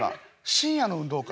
深夜の運動会？」。